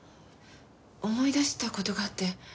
思い出した事があって。